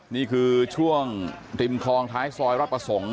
นี่คือช่วงริมคลองท้ายซอยรับประสงค์